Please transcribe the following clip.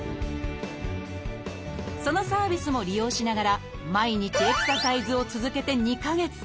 そのサービスも利用しながら毎日エクササイズを続けて２か月。